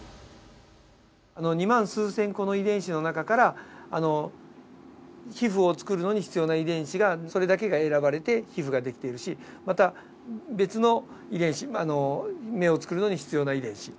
２万数千個の遺伝子の中から皮膚を作るのに必要な遺伝子それだけが選ばれて皮膚ができているしまた別の遺伝子目を作るのに必要な遺伝子。